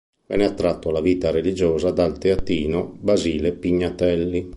Venne attratto alla vita religiosa dal teatino Basile Pignatelli.